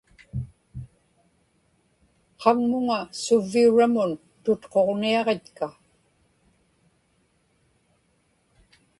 qaŋmuŋa suvviuramun tutquġniaġitka